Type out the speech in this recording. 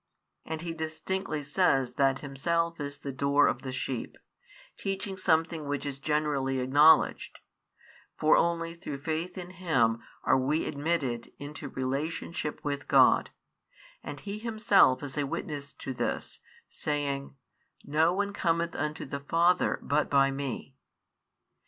And He distinctly says that Himself is the Door of the sheep, teaching something which is generally acknowledged; for only through faith in Him are we admitted into relationship with God, and He Himself is a witness to this, saying: No one cometh unto the Father, but by Me.